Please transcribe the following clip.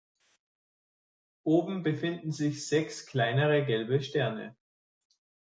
Oben befinden sich sechs kleinere gelbe Sterne.